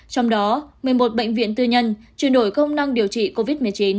trong đó một mươi một bệnh viện tư nhân chuyển đổi công năng điều trị covid một mươi chín